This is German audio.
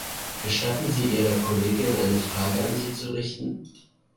Gestatten Sie Ihrer Kollegin, eine Frage an Sie zu richten?